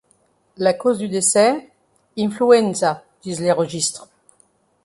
La cause du décès: Influenza, disent les registres.